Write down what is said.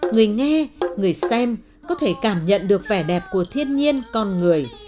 người nghe người xem có thể cảm nhận được vẻ đẹp của thiên nhiên con người